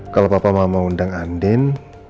kalau papa mau mengundang andin